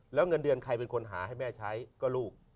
แล้วเงินเดือนใครเป็นคนหาให้แม่ใช้ก็ลูก